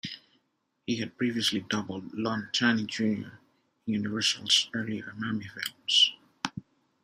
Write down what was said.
He had previously doubled Lon Chaney, Junior in Universal's earlier Mummy films.